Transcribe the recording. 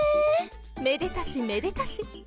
めでたしめでたし